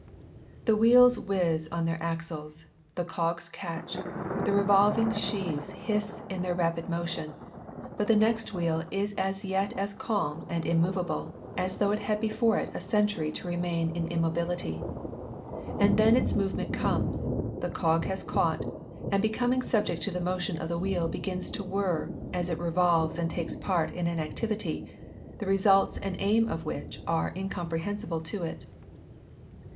The wheels whizz on their axles, the cogs catch, the revolving sheaves hiss in their rapid motion, but the next wheel is as yet as calm and immovable as though it had before it a century to remain in immobility ; and then its moment comes, the cog has caught, and becoming subject to the motion the wheel begins to whirr as it revolves and takes part in an activity, the results and aim of which are incom prehensible to it.